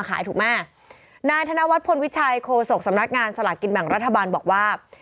ถูกไหมนายธนวัฒนพลวิชัยโคศกสำนักงานสลากกินแบ่งรัฐบาลบอกว่า